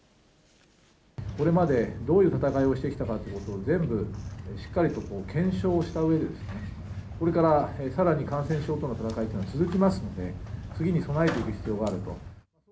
これまでどういう闘いをしてきたかっていうと、全部、しっかりと検証したうえで、これからさらに感染症との闘いっていうのは続きますので、次に備えていく必要があると。